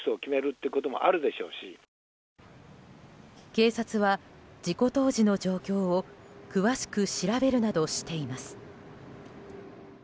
警察は事故当時の状況を詳しく調べるなどしています。